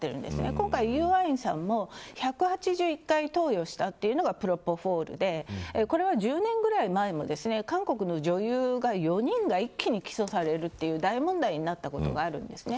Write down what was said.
今回、ユ・アインさんも１８１回投与したのがプロポフォールでこれは１０年ぐらい前も韓国の女優が４人が一気に起訴される大問題になったことがあるんですね。